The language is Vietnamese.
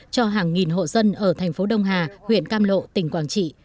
cho hàng nghìn hộ dân ở thành phố đông hà huyện cam lộ tỉnh quảng trị